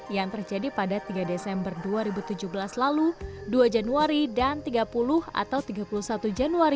yang terjadi pada tiga desember dua ribu tujuh belas lalu dua januari dan tiga puluh atau tiga puluh satu januari